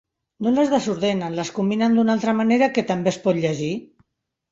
No les desordenen, les combinen d'una altra manera que també es pot llegir.